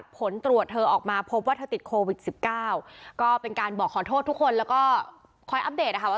ผลตรวจเธอออกมาพบว่าเธอติดโควิด๑๙ก็เป็นการบอกขอโทษทุกคนแล้วก็คอยอัปเดตนะคะว่า